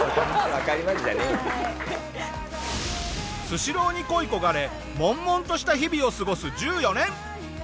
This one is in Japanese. スシローに恋い焦がれ悶々とした日々を過ごす１４年！